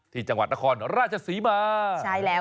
ที่จังหวัดนครราชศรีมา